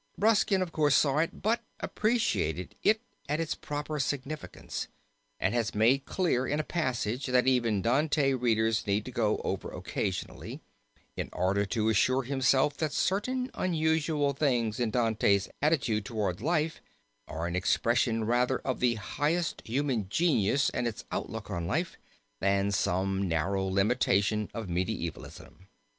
Ruskin of course saw it but appreciated it at its proper significance, and has made clear in a passage that every Dante reader needs to go over occasionally, in order to assure himself that certain unusual things in Dante's attitude towards life are an expression rather of the highest human genius and its outlook on life, than some narrow limitation of medievalism.